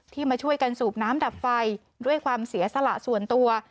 มาช่วยกันสูบน้ำดับไฟด้วยความเสียสละส่วนตัว